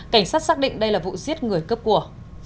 cảnh sát xác định đây là vụ giết người cướp của